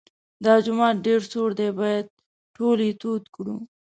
دا جومات ډېر سوړ دی باید ټول یې تود کړو.